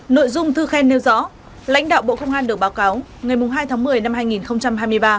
nội dung thư khen nêu rõ lãnh đạo bộ công an được báo cáo ngày hai tháng một mươi năm hai nghìn hai mươi ba